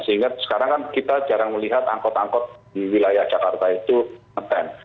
sehingga sekarang kan kita jarang melihat angkut angkut di wilayah jakarta itu ngeten